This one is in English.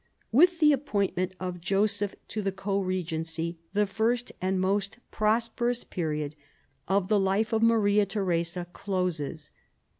With the appointment of Joseph to the co regency, the first and most prosperous period of the life of Maria Theresa closes.